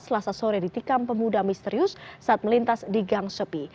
selasa sore ditikam pemuda misterius saat melintas di gang sepi